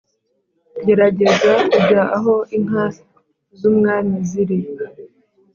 "Gerageza kujya aho inka z' umwami ziri